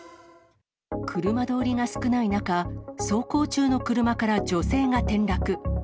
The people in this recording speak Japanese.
車通りが少ない中、走行中の車から女性が転落。